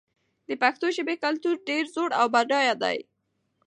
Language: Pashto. د پښتو ژبې کلتور ډېر زوړ او بډای دی.